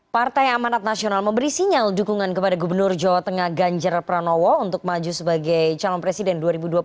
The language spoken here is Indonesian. partai amanat nasional memberi sinyal dukungan kepada gubernur jawa tengah ganjar pranowo untuk maju sebagai calon presiden dua ribu dua puluh